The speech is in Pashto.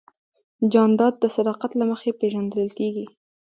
جانداد د صداقت له مخې پېژندل کېږي.